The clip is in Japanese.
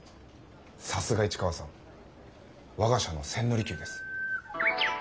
さすが市川さん我が社の千利休です。